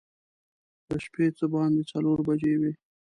د شپې څه باندې څلور بجې وې.